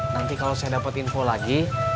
nanti kalau saya dapetin info lain